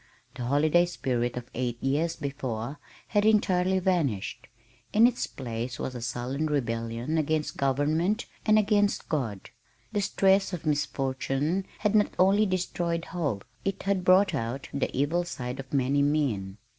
The holiday spirit of eight years before had entirely vanished. In its place was a sullen rebellion against government and against God. The stress of misfortune had not only destroyed hope, it had brought out the evil side of many men.